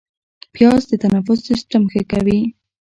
پیاز د تنفس سیستم ښه کوي